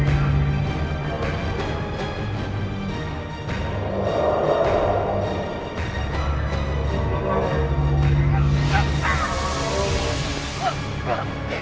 ana ksuaranya memang sama